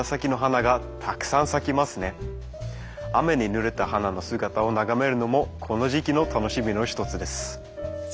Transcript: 雨にぬれた花の姿を眺めるのもこの時期の楽しみの一つです。